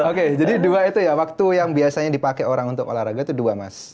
oke jadi dua itu ya waktu yang biasanya dipakai orang untuk olahraga itu dua mas